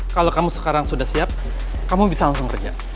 kalau kamu sekarang sudah siap kamu bisa langsung kerja